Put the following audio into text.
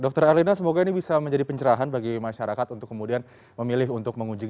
dr erlina semoga ini bisa menjadi pencerahan bagi masyarakat untuk kemudian memilih untuk mengunjungi